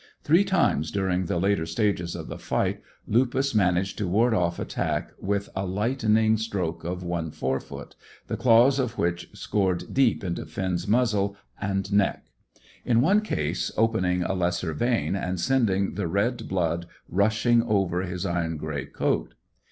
Three times during the later stages of the fight Lupus managed to ward off attack with a lightning stroke of one fore foot, the claws of which scored deep into Finn's muzzle and neck, in one case opening a lesser vein, and sending the red blood rushing over his iron grey coat.